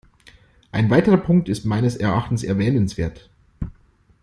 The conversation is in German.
Ein weiterer Punkt ist meines Erachtens erwähnenswert.